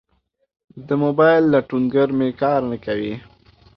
د موبایل لټونګر می کار نه کوي